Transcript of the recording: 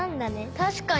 確かに。